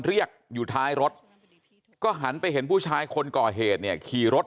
เรียกอยู่ท้ายรถก็หันไปเห็นผู้ชายคนก่อเหตุเนี่ยขี่รถ